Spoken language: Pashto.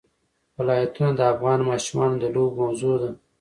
ولایتونه د افغان ماشومانو د لوبو موضوع ده.